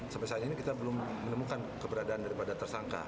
sampai saat ini kita belum menemukan keberadaan daripada tersangka